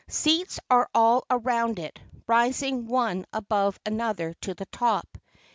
Seats are all around it, rising one above another to the top.